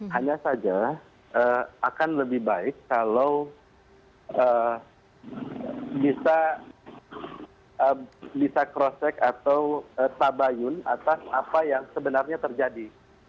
hanya saja akan lebih baik kalau bisa cross check atau tabayun atas apa yang sebenarnya terjadi